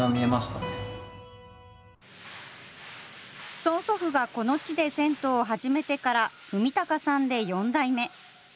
曽祖父がこの地で銭湯を始めてから、文隆さんで４代目。